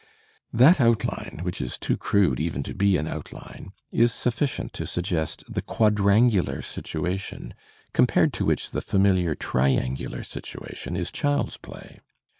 That outline, which is too crude even to be an outline, is sufficient to suggest the quadrangular situation, compared to which the famiUar triangular situation is child's play.